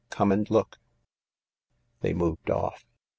Come and look." They moved off.